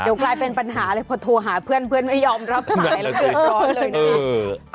เดี๋ยวกลายเป็นปัญหาเลยพอโทรหาเพื่อนเพื่อนไม่ยอมรับสายแล้วเดือดร้อนเลยนะคะ